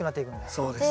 そうです。